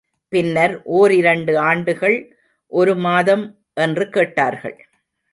பின்னர் ஓரிரண்டு ஆண்டுகள், ஒரு மாதம் என்று கேட்டார்கள்.